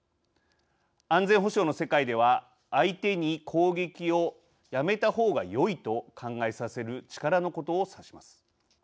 安全保障の世界では相手に攻撃をやめたほうがよいと考えさせる力のことを指します。